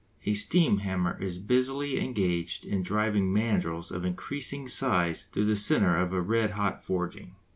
A steam hammer is busily engaged in driving mandrils of increasing size through the centre of a red hot forging.